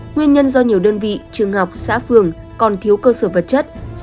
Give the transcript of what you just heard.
nguyên nhân do nhiều đơn vị trường học xã phường còn thiếu cơ sở vật chất